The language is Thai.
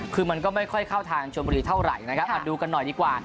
คือมันก็ไม่ค่อยเข้าทางชนบุรีเท่าไหร่นะครับดูกันหน่อยดีกว่า